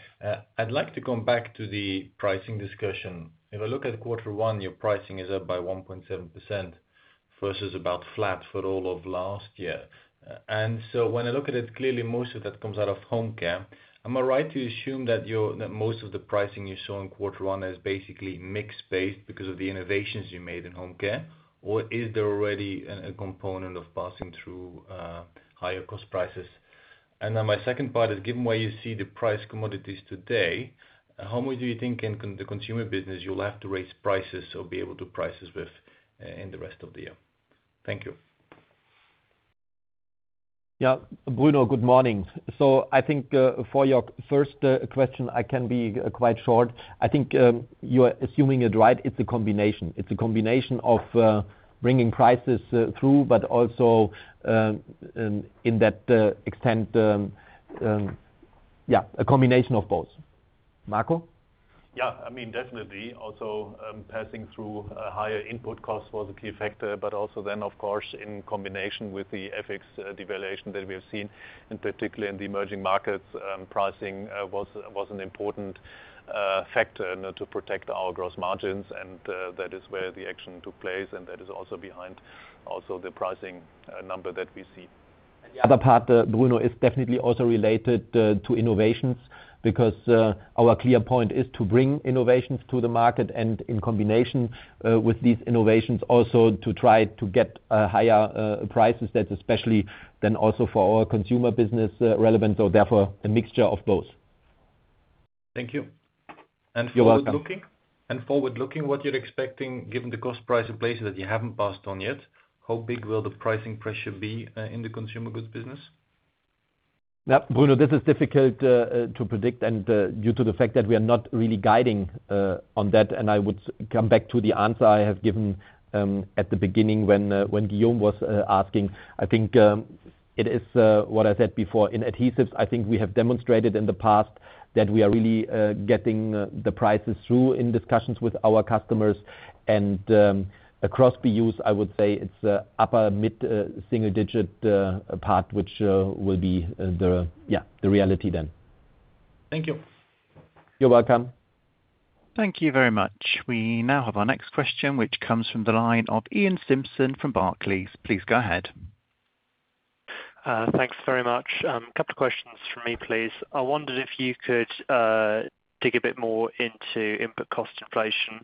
Speaker 6: I'd like to come back to the pricing discussion. If I look at quarter one, your pricing is up by 1.7% versus about flat for all of last year. When I look at it, clearly most of that comes out of Home Care. Am I right to assume that most of the pricing you saw in quarter one is basically mix-based because of the innovations you made in Home Care? Or is there already a component of passing through higher cost prices? My second part is, given where you see the price commodities today, how much do you think in the consumer business you'll have to raise prices or be able to price this in the rest of the year? Thank you.
Speaker 1: Yeah. Bruno, good morning. I think, for your first question, I can be quite short. I think you are assuming it right. It's a combination. It's a combination of bringing prices through, but also in that extent, yeah, a combination of both. Marco?
Speaker 2: Yeah. Definitely. Passing through a higher input cost was a key factor, of course, in combination with the FX devaluation that we have seen, in particular in the emerging markets, pricing was an important factor to protect our gross margins. That is where the action took place. That is also behind the pricing number that we see.
Speaker 1: The other part, Bruno, is definitely also related to innovations because, our clear point is to bring innovations to the market and in combination with these innovations, also to try to get higher prices that especially then also for our consumer business relevant. Therefore, a mixture of both.
Speaker 6: Thank you.
Speaker 1: You're welcome.
Speaker 6: Forward-looking, what you're expecting, given the cost price in places that you haven't passed on yet, how big will the pricing pressure be in the consumer goods business?
Speaker 1: Bruno, this is difficult to predict and due to the fact that we are not really guiding on that, and I would come back to the answer I have given at the beginning when Guillaume was asking. I think it is what I said before. In adhesives, I think we have demonstrated in the past that we are really getting the prices through in discussions with our customers and across BUs, I would say it's upper mid-single digit part, which will be the reality then.
Speaker 6: Thank you.
Speaker 1: You're welcome.
Speaker 3: Thank you very much. We now have our next question, which comes from the line of Iain Simpson from Barclays. Please go ahead.
Speaker 7: Thanks very much. Couple questions from me, please. I wondered if you could dig a bit more into input cost inflation.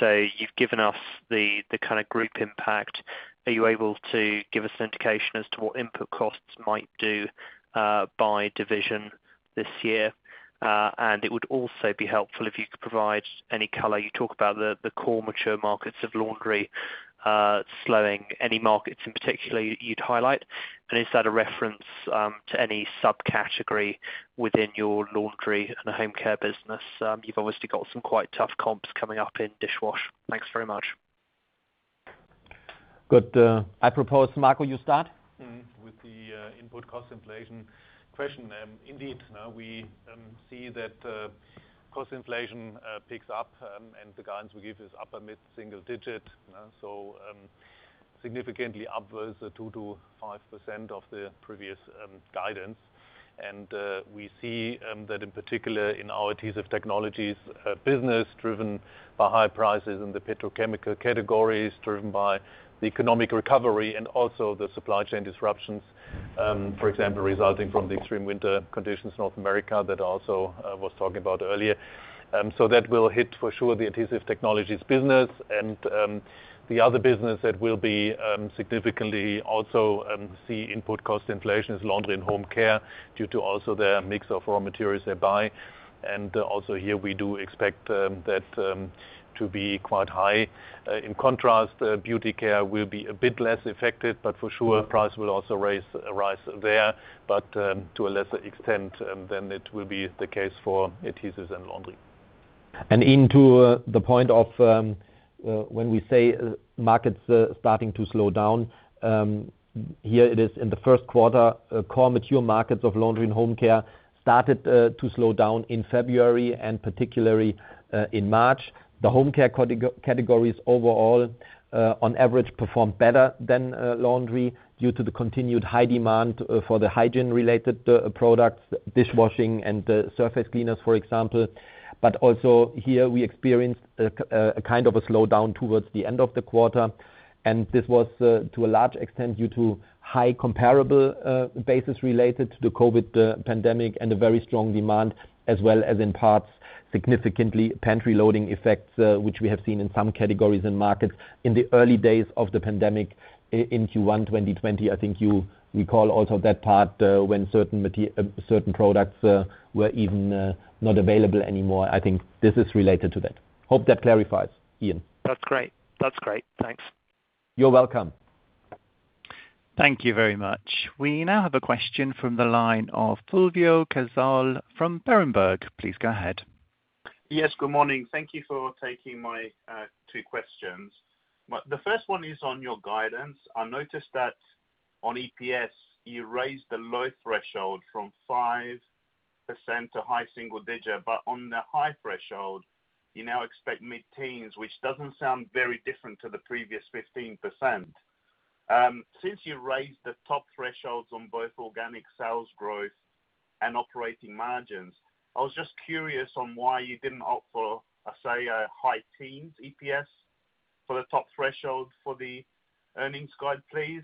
Speaker 7: You've given us the group impact. Are you able to give us an indication as to what input costs might do by division this year? It would also be helpful if you could provide any color. You talk about the core mature markets of laundry slowing. Any markets in particular you'd highlight? Is that a reference to any subcategory within your Laundry & Home Care business? You've obviously got some quite tough comps coming up in dishwash. Thanks very much.
Speaker 1: Good. I propose, Marco, you start.
Speaker 2: With the input cost inflation question, indeed, we see that cost inflation picks up, the guidance we give is upper mid-single digit. Significantly upwards 2%-5% of the previous guidance. We see that in particular in our Adhesive Technologies business driven by high prices in the petrochemical categories, driven by the economic recovery and also the supply chain disruptions, for example, resulting from the extreme winter conditions in North America that also I was talking about earlier. That will hit for sure the Adhesive Technologies business and the other business that will be significantly also see input cost inflation is Laundry & Home Care due to also the mix of raw materials they buy. Also here we do expect that to be quite high. In contrast, Beauty Care will be a bit less affected, but for sure price will also rise there, but to a lesser extent than it will be the case for adhesives and laundry.
Speaker 1: Ian, to the point of when we say markets starting to slow down, here it is in the first quarter, core mature markets of Laundry & Home Care started to slow down in February and particularly, in March. The home care categories overall, on average, performed better than laundry due to the continued high demand for the hygiene-related products, dishwashing and surface cleaners, for example. Also here we experienced a kind of a slowdown towards the end of the quarter, and this was to a large extent due to high comparable basis related to the COVID-19 pandemic and a very strong demand, as well as in parts, significantly pantry loading effects, which we have seen in some categories and markets in the early days of the pandemic in Q1 2020. I think you recall also that part, when certain products were even not available anymore. I think this is related to that. Hope that clarifies, Ian.
Speaker 7: That's great. Thanks.
Speaker 1: You're welcome.
Speaker 3: Thank you very much. We now have a question from the line of Fulvio Cazzol from Berenberg. Please go ahead.
Speaker 8: Yes, good morning. Thank you for taking my two questions. The first one is on your guidance. I noticed that on EPS, you raised the low threshold from 5% to high single digit, but on the high threshold, you now expect mid-teens, which doesn't sound very different to the previous 15%. Since you raised the top thresholds on both organic sales growth and operating margins, I was just curious on why you didn't opt for, say, a high teens EPS? For the top threshold for the earnings guide, please.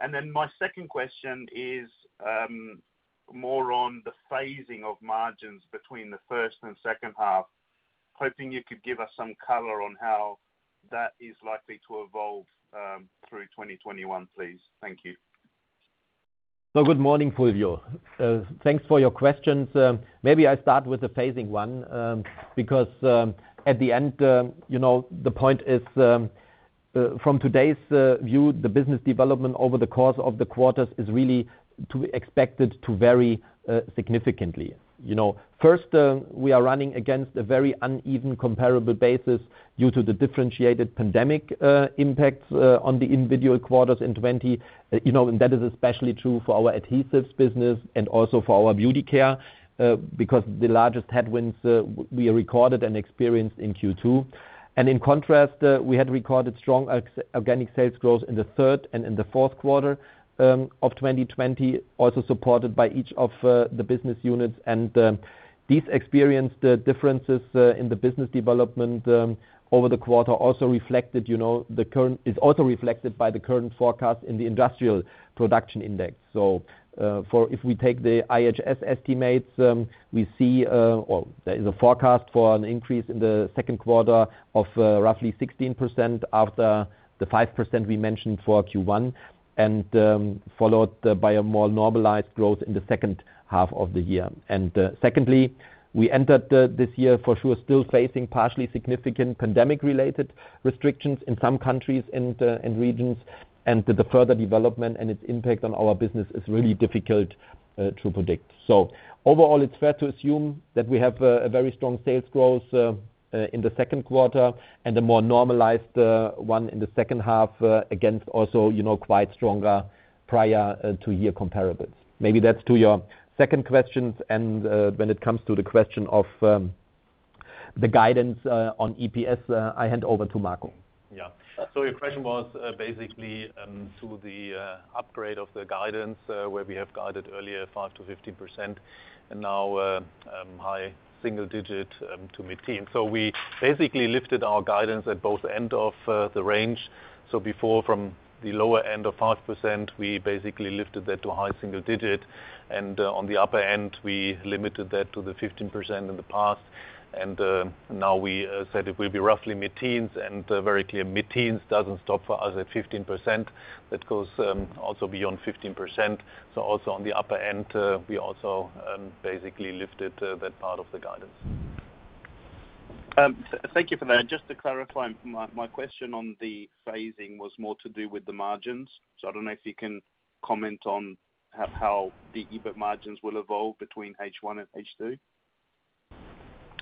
Speaker 8: Then my second question is more on the phasing of margins between the first and second half. Hoping you could give us some color on how that is likely to evolve, through 2021, please. Thank you.
Speaker 1: Good morning, Fulvio. Thanks for your questions. Maybe I start with the phasing one, because at the end, the point is from today's view, the business development over the course of the quarters is really to be expected to vary significantly. First, we are running against a very uneven comparable basis due to the differentiated pandemic impacts on the individual quarters in 2020. That is especially true for our Adhesives business and also for our Beauty Care, because the largest headwinds we recorded and experienced in Q2. In contrast, we had recorded strong organic sales growth in the third and in the fourth quarter of 2020, also supported by each of the business units. These experienced differences in the business development over the quarter is also reflected by the current forecast in the industrial production index. If we take the IHS estimates, we see there is a forecast for an increase in the second quarter of roughly 16% after the 5% we mentioned for Q1, and followed by a more normalized growth in the second half of the year. Secondly, we entered this year for sure, still facing partially significant pandemic-related restrictions in some countries and regions. The further development and its impact on our business is really difficult to predict. Overall, it's fair to assume that we have a very strong sales growth in the second quarter and a more normalized one in the second half against also quite stronger prior to year comparables. Maybe that's to your second questions and when it comes to the question of the guidance on EPS, I hand over to Marco.
Speaker 2: Yeah. Your question was basically, to the upgrade of the guidance, where we have guided earlier 5%-15% and now high single digit to mid-teen. We basically lifted our guidance at both end of the range. Before from the lower end of 5%, we basically lifted that to high single digit. On the upper end, we limited that to the 15% in the past. Now we said it will be roughly mid-teens and very clear mid-teens doesn't stop for us at 15%. That goes also beyond 15%. Also on the upper end, we also basically lifted that part of the guidance.
Speaker 8: Thank you for that. Just to clarify, my question on the phasing was more to do with the margins. I don't know if you can comment on how the EBIT margins will evolve between H1 and H2?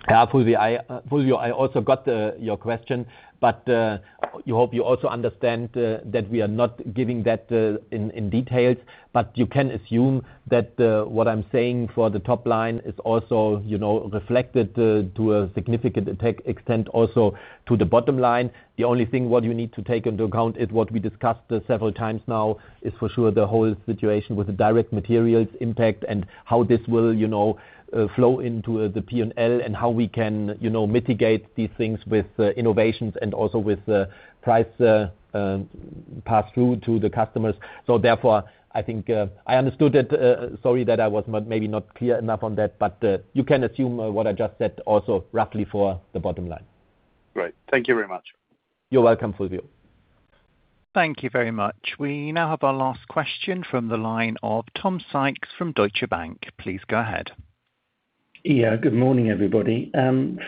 Speaker 1: Yeah, Fulvio, I also got your question. You hope you also understand that we are not giving that in details. You can assume that what I'm saying for the top line is also reflected to a significant extent also to the bottom line. The only thing what you need to take into account is what we discussed several times now is for sure the whole situation with the direct materials impact and how this will flow into the P&L and how we can mitigate these things with innovations and also with price pass-through to the customers. Therefore, I think I understood it, sorry that I was maybe not clear enough on that. You can assume what I just said also roughly for the bottom line.
Speaker 8: Great. Thank you very much.
Speaker 1: You're welcome, Fulvio.
Speaker 3: Thank you very much. We now have our last question from the line of Tom Sykes from Deutsche Bank. Please go ahead.
Speaker 9: Good morning, everybody.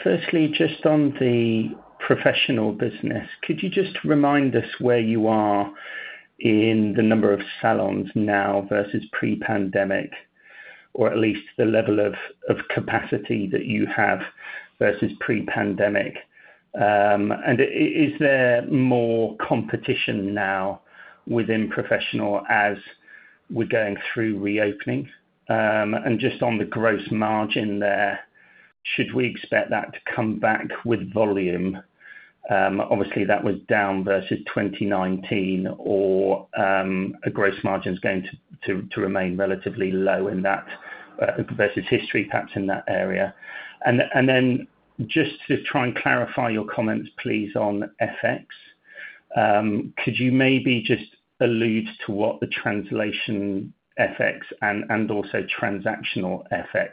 Speaker 9: Firstly, just on the professional business, could you just remind us where you are in the number of salons now versus pre-pandemic? Or at least the level of capacity that you have versus pre-pandemic. Is there more competition now within professional as we're going through reopenings? Just on the gross margin there, should we expect that to come back with volume? Obviously, that was down versus 2019 or, gross margin's going to remain relatively low versus history, perhaps in that area. Just to try and clarify your comments, please, on FX. Could you maybe just allude to what the translation FX and also transactional FX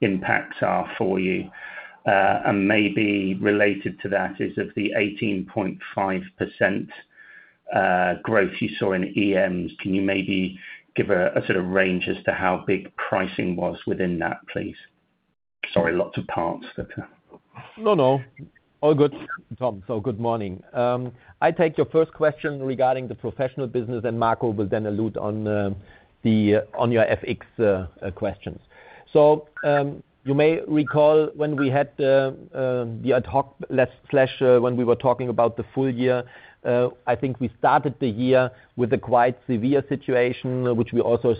Speaker 9: impacts are for you? Maybe related to that is of the 18.5% growth you saw in EMs, can you maybe give a sort of range as to how big pricing was within that, please? Sorry, lots of parts that-
Speaker 1: No, no. All good, Tom. Good morning. I take your first question regarding the professional business, and Marco will then allude on your FX questions. You may recall when we had the ad hoc last flash when we were talking about the full year, I think we started the year with a quite severe situation, which we also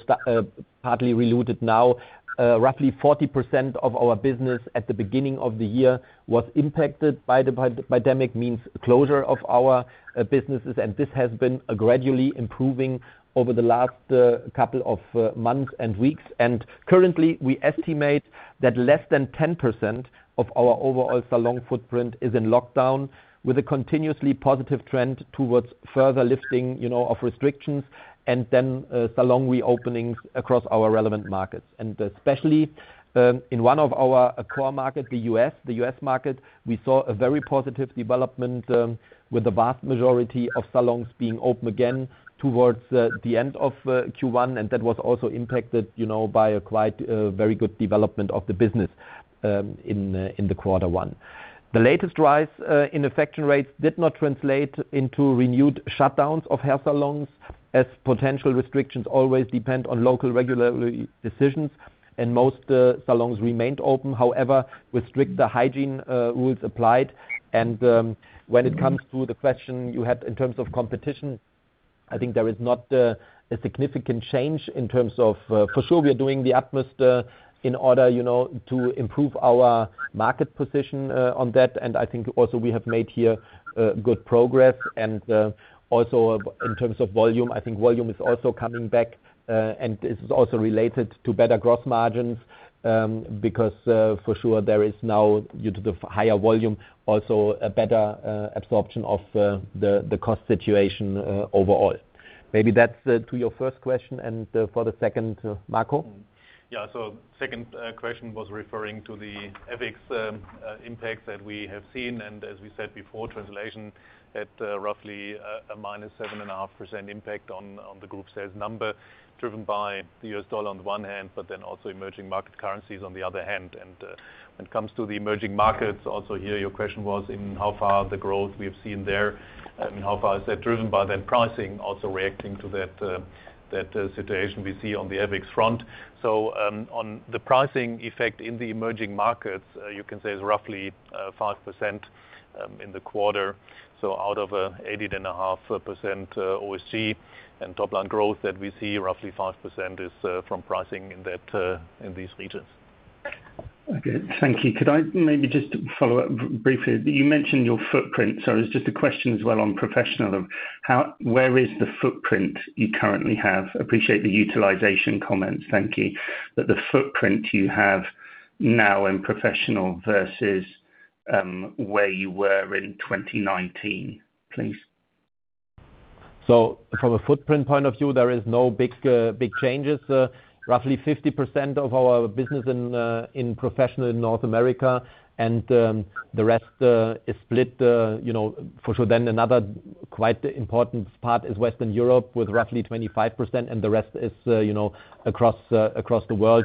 Speaker 1: partly alluded now. Roughly 40% of our business at the beginning of the year was impacted by the pandemic, means closure of our businesses, and this has been gradually improving over the last couple of months and weeks. Currently, we estimate that less than 10% of our overall salon footprint is in lockdown, with a continuously positive trend towards further lifting of restrictions and then salon reopenings across our relevant markets. Especially in one of our core markets, the US market, we saw a very positive development with the vast majority of salons being open again towards the end of Q1, that was also impacted by a quite very good development of the business in Q1. The latest rise in infection rates did not translate into renewed shutdowns of hair salons, as potential restrictions always depend on local regulatory decisions and most salons remained open. However, with stricter hygiene rules applied. When it comes to the question you had in terms of competition, I think there is not a significant change in terms of, for sure we are doing the utmost in order to improve our market position on that. I think also we have made good progress here. Also, in terms of volume, I think volume is also coming back. This is also related to better gross margins, because for sure there is now, due to the higher volume, also a better absorption of the cost situation overall. Maybe that's to your first question. For the second, Marco?
Speaker 2: Yeah. Second question was referring to the FX impact that we have seen, and as we said before, translation had roughly a -7.5% impact on the group sales number, driven by the US dollar on one hand, but then also emerging market currencies on the other hand. When it comes to the emerging markets, also here your question was in how far the growth we have seen there, and how far is that driven by then pricing also reacting to that situation we see on the FX front. On the pricing effect in the emerging markets, you can say it's roughly 5% in the quarter. Out of 80.5% OSG and top line growth that we see, roughly 5% is from pricing in these regions.
Speaker 9: Okay, thank you. Could I maybe just follow up briefly? You mentioned your footprint, so it is just a question as well on Professional of where is the footprint you currently have? Appreciate the utilization comments, thank you. The footprint you have now in Professional versus where you were in 2019, please.
Speaker 1: From a footprint point of view, there is no big changes. Roughly 50% of our business in Professional is in North America and the rest is split. Another quite important part is Western Europe, with roughly 25%, and the rest is across the world.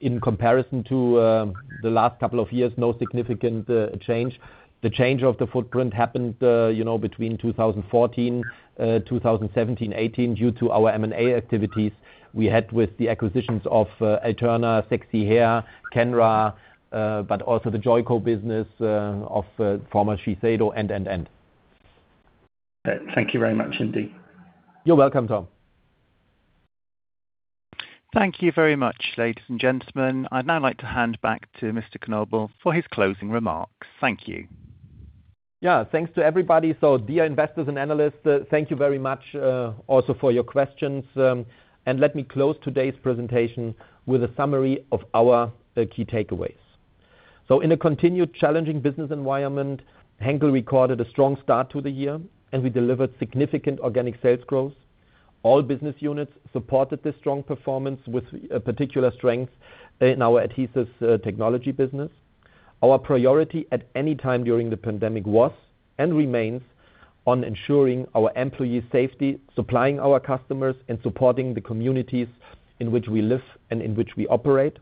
Speaker 1: In comparison to the last couple of years, no significant change. The change of the footprint happened between 2014, 2017, 2018, due to our M&A activities we had with the acquisitions of Alterna, Sexy Hair, Kenra, but also the Joico business of former Shiseido, and.
Speaker 9: Thank you very much indeed.
Speaker 1: You're welcome, Tom.
Speaker 3: Thank you very much, ladies and gentlemen. I'd now like to hand back to Mr. Knobel for his closing remarks. Thank you.
Speaker 1: Yeah, thanks to everybody. Dear investors and analysts, thank you very much also for your questions. Let me close today's presentation with a summary of our key takeaways. In a continued challenging business environment, Henkel recorded a strong start to the year, and we delivered significant organic sales growth. All business units supported this strong performance, with particular strength in our Adhesive Technologies business. Our priority at any time during the pandemic was, and remains, on ensuring our employees' safety, supplying our customers, and supporting the communities in which we live and in which we operate.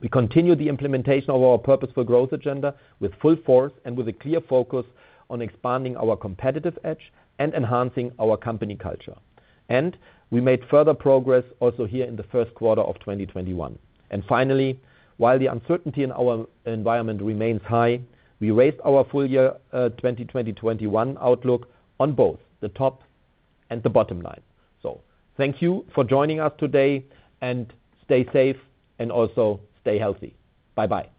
Speaker 1: We continue the implementation of our Purposeful Growth agenda with full force and with a clear focus on expanding our competitive edge and enhancing our company culture. We made further progress also here in the first quarter of 2021. Finally, while the uncertainty in our environment remains high, we raised our full year 2020/2021 outlook on both the top and the bottom line. Thank you for joining us today, and stay safe and also stay healthy. Bye-bye.